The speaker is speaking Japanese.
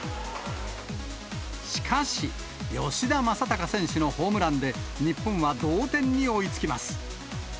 しかし、吉田正尚選手のホームランで、日本は同点に追いつきます。